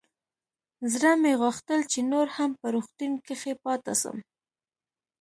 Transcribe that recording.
زړه مې غوښتل چې نور هم په روغتون کښې پاته سم.